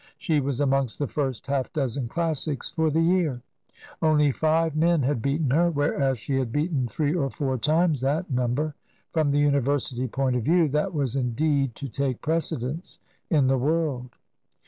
She was amongst the first half dozen classics for the year ; only five men had beaten her, whereas she had beaten three or four times that number. From the University point of view that was indeed to take precedence in the world.